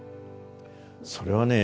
それはね